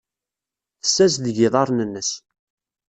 Tessazdeg iḍarren-nnes.